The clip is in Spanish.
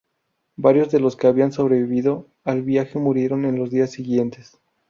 Varios de los que habían sobrevivido al viaje murieron en los días siguientes.